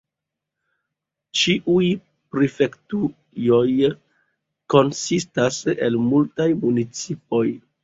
Ĉiuj prefektujoj konsistas el multaj municipoj.